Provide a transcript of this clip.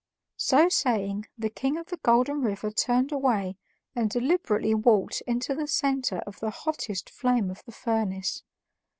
So saying, the King of the Golden River turned away and deliberately walked into the center of the hottest flame of the furnace.